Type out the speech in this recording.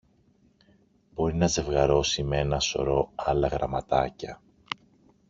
Μπορεί να ζευγαρώσει με ένα σωρό άλλα γραμματάκια